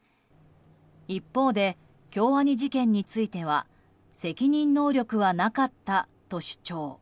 一方で、京アニ事件については責任能力はなかったと主張。